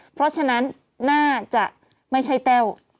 เพราะฉะนั้นน่าจะไม่ใช่แต้ว